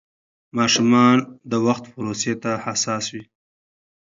ماشومان د وخت پروسې ته حساس وي.